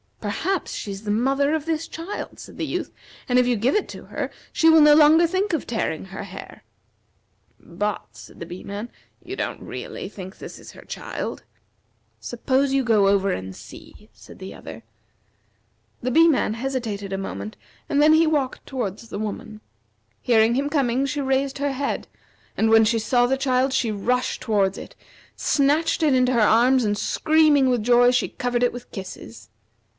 "Perhaps she is the mother of this child," said the Youth, "and if you give it to her she will no longer think of tearing her hair." "But," said the Bee man, "you don't really think this is her child?" "Suppose you go over and see," said the other. The Bee man hesitated a moment, and then he walked toward the woman. Hearing him coming, she raised her head, and when she saw the child she rushed towards it, snatched it into her arms, and screaming with joy she covered it with kisses.